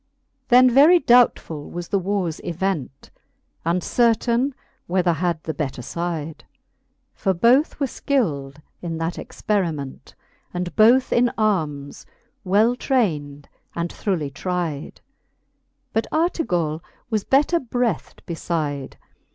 XVII. Then very doubtfull was the warres event, Uncertaine whether had the better fide ; For both were skild in that experiment, And both in^armes well traind and throughly tride. But Artegall was better breathed befide.